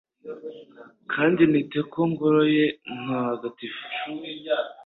kandi nite ku Ngoro ye ntagatifu